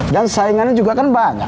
dan saingannya juga kan banyak